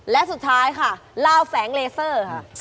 และสุดท้ายค่ะลาวแฝงเลเซอร์ค่ะ